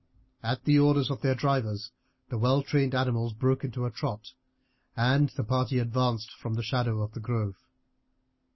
At the orders of their drivers the well trained animals broke into a trot, and the party advanced from the shadow of the grove.